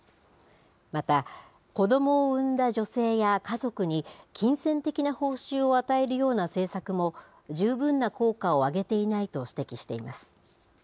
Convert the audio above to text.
また、子どもを産んだ女性や家族に金銭的な報酬を与えるような政策も、十分な効果を上げていないと指摘しています。